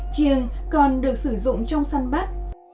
chiêng còn được sử dụng trong săn bắt